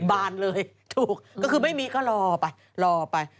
บานเลยถูกก็คือไม่มีก็รอไปรอไป